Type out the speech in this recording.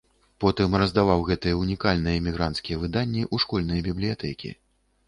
Потым раздаваў гэтыя ўнікальныя эмігранцкія выданні ў школьныя бібліятэкі.